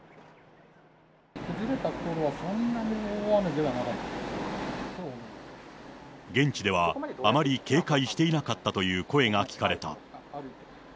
崩れたころは、現地では、あまり警戒していなかったという声が聞かれた。